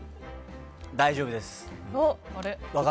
大丈夫です！